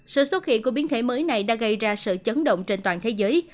sự xuất hiện của biến thế mới này đã gây ra sự chấn động trên toàn thế giới